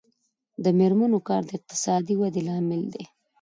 د میرمنو کار د اقتصادي ودې لامل دی.